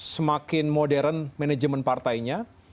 semakin modern manajemen partainya